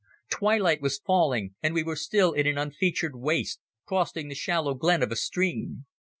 Twilight was falling and we were still in an unfeatured waste, crossing the shallow glen of a stream.